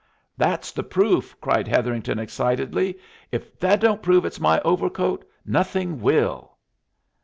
"That's the proof " cried Hetherington, excitedly. "If that don't prove it's my overcoat nothing will."